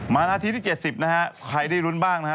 นาทีที่๗๐นะฮะใครได้ลุ้นบ้างนะฮะ